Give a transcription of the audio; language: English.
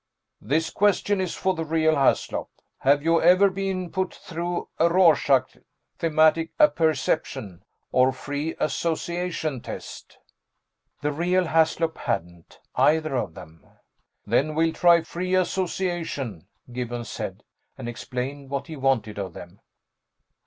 "This question is for the real Haslop: Have you ever been put through a Rorschach, thematic apperception or free association test?" The real Haslop hadn't. Either of them. "Then we'll try free association," Gibbons said, and explained what he wanted of them.